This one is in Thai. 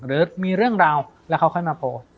หรือมีเรื่องราวแล้วเขาค่อยมาโปร